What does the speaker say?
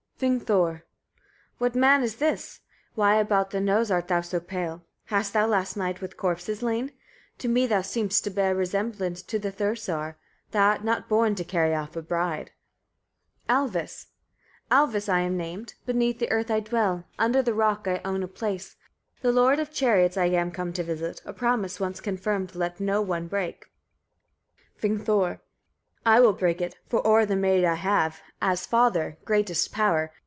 Vingthor. 2. What man is this? Why about the nose art thou so pale? Hast thou last night with corpses lain? To me thou seemst to bear resemblance to the Thursar. Thou art not born to carry off a bride. Alvis. 3. Alvis I am named, beneath the earth I dwell, under the rock I own a place. The lord of chariots I am come to visit. A promise once confirmed let no one break. Vingthor. 4. I will break it; for o'er the maid I have, as father, greatest power.